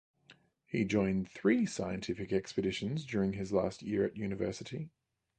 He joined three scientific expeditions during his last year at university.